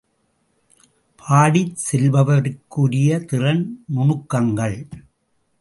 பாடிச் செல்பவருக்குரிய திறன் நுணுக்கங்கள் ….